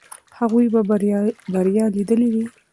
هغوی به بریا لیدلې وي.